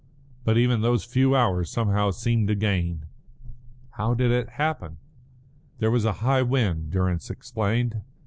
But even those few hours somehow seemed a gain." "How did it happen?" "There was a high wind," Durrance explained.